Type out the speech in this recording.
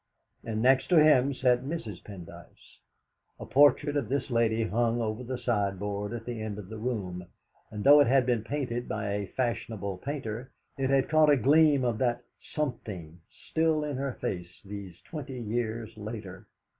And next him sat Mrs. Pendyce. A portrait of this lady hung over the sideboard at the end of the room, and though it had been painted by a fashionable painter, it had caught a gleam of that "something" still in her face these twenty years later.